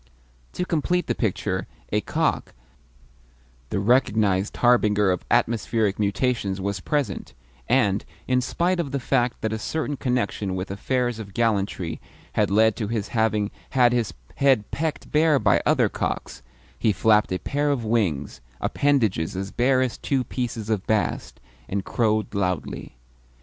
To complete the picture, a cock, the recognised harbinger of atmospheric mutations, was present; and, in spite of the fact that a certain connection with affairs of gallantry had led to his having had his head pecked bare by other cocks, he flapped a pair of wings appendages as bare as two pieces of bast and crowed loudly.